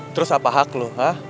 terus apa hak lo